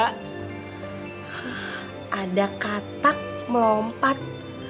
hah ada katak melompat